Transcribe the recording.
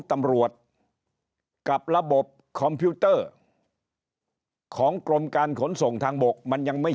ตำรวจกับระบบคอมพิวเตอร์ของกรมการขนส่งทางบกมันยังไม่